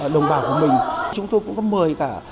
đồng bào của mình chúng tôi cũng có mời cả